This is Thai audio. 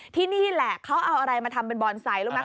ที่นี่แหละเขาเอาอะไรมาทำเป็นบอนไซต์รู้ไหม